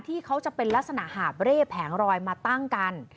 ที่เขาจะเป็นลักษณะหาบเร่แผงรอยมาตั้งกัน